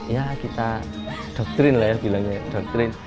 ya kita doktrin lah ya bilangnya doktrin